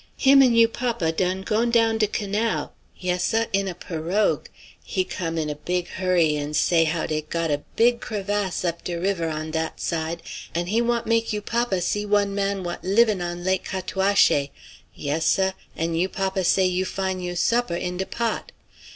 Him an' you papa done gone down de canal. Yes, seh; in a pirogue. He come in a big hurry an' say how dey got a big crevasse up de river on dat side, an' he want make you papa see one man what livin' on Lac Cataouaché. Yes, seh. An you papa say you fine you supper in de pot.